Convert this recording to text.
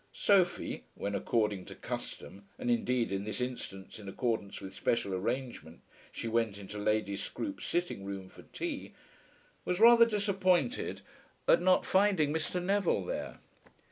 Sophie, when according to custom, and indeed in this instance in accordance with special arrangement, she went into Lady Scroope's sitting room for tea, was rather disappointed at not finding Mr. Neville there.